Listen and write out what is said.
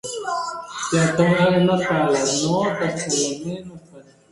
Ehud Barak es Miembro Honorario de la Fundación Internacional Raoul Wallenberg.